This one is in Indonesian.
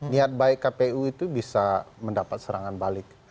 niat baik kpu itu bisa mendapat serangan balik